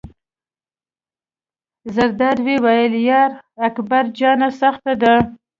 زرداد وویل: یار اکبر جانه سخته ده.